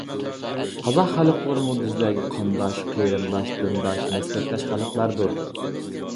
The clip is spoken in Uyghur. قازاق خەلقلىرىمۇ بىزلەرگە قانداش، قېرىنداش، دىنداش، مەسلەكداش خەلقلەردۇر.